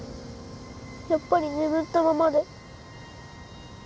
やっぱり眠ったままで